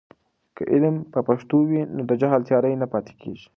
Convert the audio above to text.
که علم په پښتو وي، نو د جهل تیارې نه پاتې کیږي.